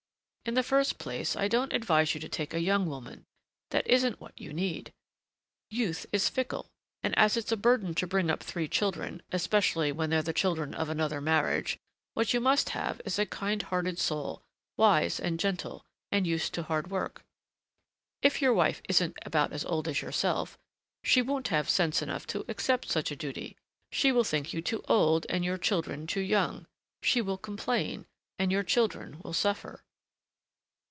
In the first place, I don't advise you to take a young woman. That isn't what you need. Youth is fickle; and as it's a burden to bring up three children, especially when they're the children of another marriage, what you must have is a kind hearted soul, wise and gentle, and used to hard work. If your wife isn't about as old as yourself, she won't have sense enough to accept such a duty. She will think you too old and your children too young. She will complain, and your children will suffer."